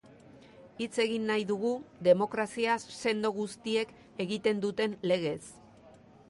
Hitz egin nahi dugu, demokrazia sendo guztiek egiten duten legez.